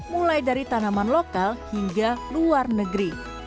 mulai dari tanaman lokal hingga luar negeri